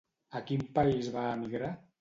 A quin país va emigrar?